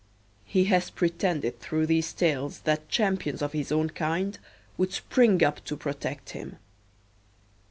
He has pretended through these tales that champions of his own kind would spring up to protect him.